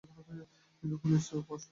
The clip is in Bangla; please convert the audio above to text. কিন্তু পুলিশ তো তারপরও প্রশ্ন করবে।